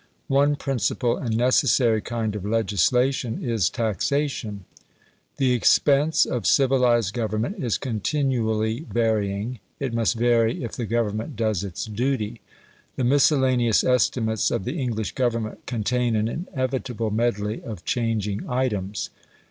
One principal and necessary kind of legislation is taxation. The expense of civilised government is continually varying. It must vary if the Government does its duty. The miscellaneous estimates of the English Government contain an inevitable medley of changing items.